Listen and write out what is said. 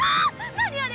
何あれ？